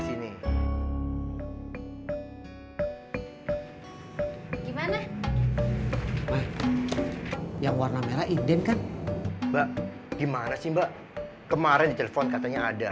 sini gimana yang warna merah inden kan mbak gimana sih mbak kemarin di telepon katanya ada